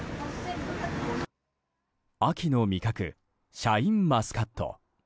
秋の味覚シャインマスカット。